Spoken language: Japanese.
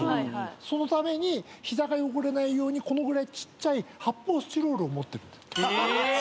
そのために膝が汚れないようにこのぐらいちっちゃい発泡スチロールを持ってるんです。